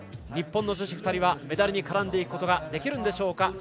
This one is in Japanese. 日本の女子２人はメダルに絡んでいくことができるんでしょうか。